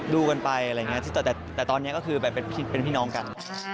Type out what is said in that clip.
ดูกันไปอะไรอย่างนี้แต่ตอนนี้ก็คือแบบเป็นพี่น้องกัน